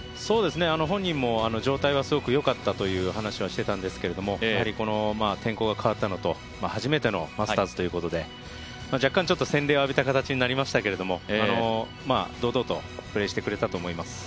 本人も状態はすごく良かったという話はしてたんですけどやはり天候が変わったのと初めてのマスターズということで若干洗礼を浴びた形になりましたけど、堂々とプレーしてくれたと思います。